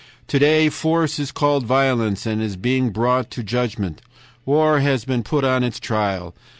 'To day force is called violence, and is being brought to judgment; war has been put on its trial.